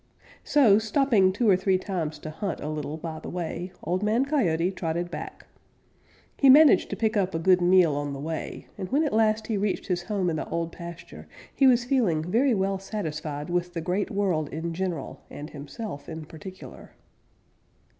So, stopping two or three times to hunt a little by the way, Old Man Coyote trotted back. He managed to pick up a good meal on the way, and when at last he reached his home in the Old Pasture he was feeling very well satisfied with the Great World in general and himself in particular.